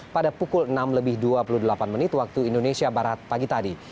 pada pukul enam lebih dua puluh delapan menit waktu indonesia barat pagi tadi